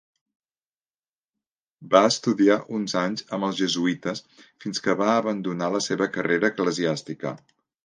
Va estudiar uns anys amb els jesuïtes fins que va abandonar la seva carrera eclesiàstica.